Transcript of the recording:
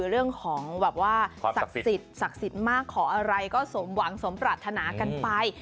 เรื่องของแบบว่าศักดิ์สิทธิ์ศักดิ์สิทธิ์มากขออะไรก็สมหวังสมปรารถนากันไป